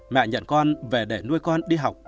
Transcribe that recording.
mẹ nhận con về để nuôi con đi học